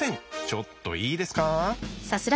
ちょっといいですか？